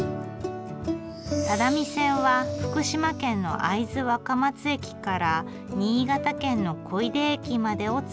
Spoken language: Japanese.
只見線は福島県の会津若松駅から新潟県の小出駅までをつなぎます。